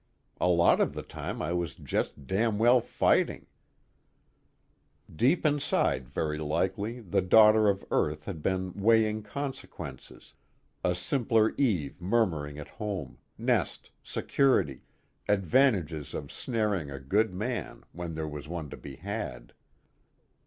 A lot of the time I was just damn well fighting ..._ Deep inside, very likely, the daughter of earth had been weighing consequences, a simpler Eve murmuring of home, nest, security, advantages of snaring a good man when there was one to be had.